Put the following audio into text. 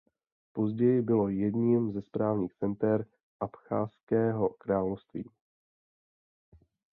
Později bylo jedním ze správních center Abchazského království.